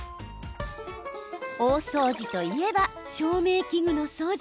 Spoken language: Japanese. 大掃除といえば照明器具の掃除。